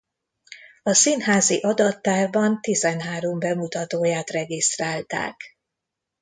A Színházi adattárban tizenhárom bemutatóját regisztrálták.